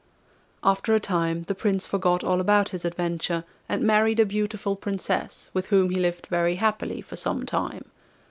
After a time the Prince forgot all about his adventure, and married a beautiful Princess, with whom he lived very happily for some time.